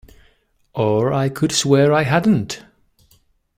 Or I could swear I hadn't.